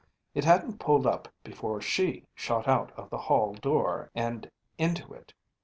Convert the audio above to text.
It hadn’t pulled up before she shot out of the hall door and into it.